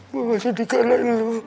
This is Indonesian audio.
gue gak bisa di kalahin lu